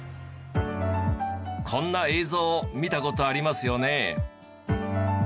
こんな映像見た事ありますよね。